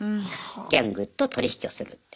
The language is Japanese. ギャングと取り引きをするっていう。